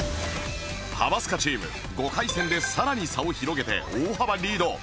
ハマスカチーム５回戦でさらに差を広げて大幅リード